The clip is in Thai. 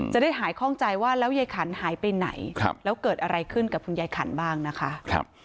จะได้หายคล่องใจว่าแล้วยายขันหายไปไหนแล้วเกิดอะไรขึ้นกับคุณยายขันบ้างนะคะ